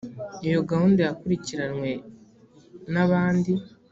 iyo gahunda yakurikiranywe n’ abandi